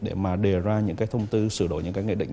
để mà đề ra những cái thông tư sửa đổi những cái nghị định